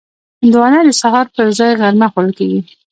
هندوانه د سهار پر ځای غرمه خوړل کېږي.